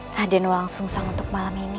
raden wang sung sang untuk malam ini